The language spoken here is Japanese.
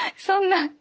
そんな。